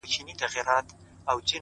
هغه ياغي شاعر غزل وايي ټپه نه کوي;